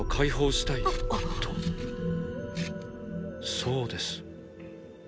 そうです。